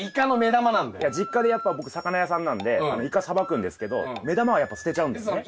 いや実家でやっぱ僕魚屋さんなんでイカさばくんですけど目玉はやっぱ捨てちゃうんですね。